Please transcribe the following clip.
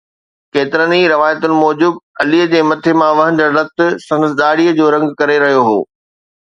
ڪيترين روايتن موجب علي جي مٿي مان وهندڙ رت سندس ڏاڙهيءَ جو رنگ ڪري رهيو هو